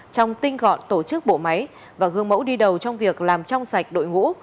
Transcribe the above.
trong tinh gọn tổ chức bộ máy và gương mẫu đi đầu trong việc làm trong sạch đội ngũ